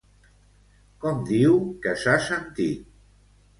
Com diu que s'ha sentit?